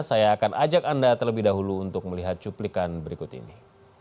saya akan ajak anda terlebih dahulu untuk melihat cuplikan berikut ini